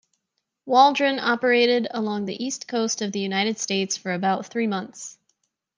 "Waldron" operated along the east coast of the United States for about three months.